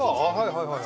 はいはい。